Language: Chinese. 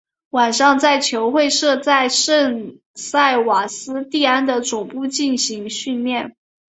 晚上在球会设在圣塞瓦斯蒂安的总部进行训练。